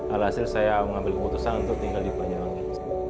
alhasil saya mengambil keputusan untuk tinggal di banyuwangi